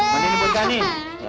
mendingin bocah nih